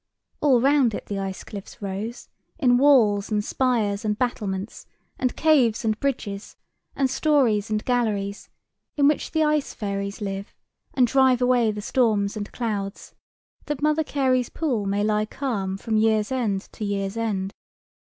All round it the ice cliffs rose, in walls and spires and battlements, and caves and bridges, and stories and galleries, in which the ice fairies live, and drive away the storms and clouds, that Mother Carey's pool may lie calm from year's end to year's end.